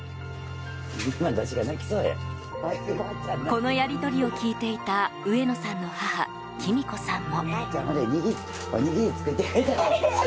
このやり取りを聞いていた上野さんの母・紀美子さんも。